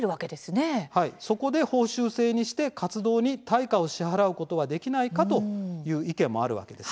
そこで報酬制にして活動に対価を支払うことはできないかという意見もあるわけです。